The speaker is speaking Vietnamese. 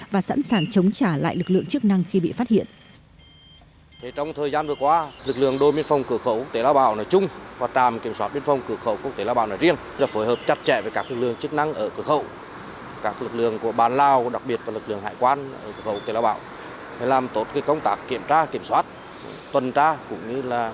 và sẵn sàng chống trả lại lực lượng chức năng khi bị phát hiện